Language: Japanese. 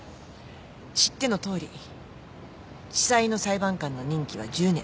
知ってのとおり地裁の裁判官の任期は１０年。